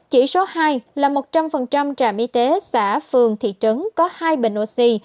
chỉ số hai là một trăm linh trạm y tế xã phường thị trấn có hai bình oxy